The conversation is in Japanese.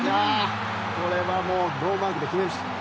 これはもうノーマークで。